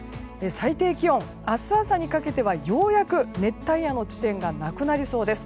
最低気温、明日朝にかけてはようやく熱帯夜の地点がなくなりそうです。